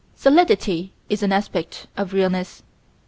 Solidity is an aspect of realness.